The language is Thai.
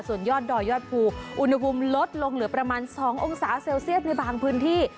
ส่วนยอดดอยยอดภูอุณหภูมิลดลงเหลือประมาณ๒องศาเซลเซียสในบางพื้นที่